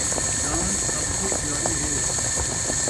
جان سب کوں پیاری ہے